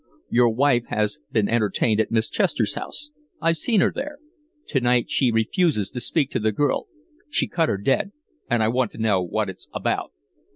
"Your wife has been entertained at Miss Chester's house. I've seen her there. To night she refuses to speak to the girl. She cut her dead, and I want to know what it's about."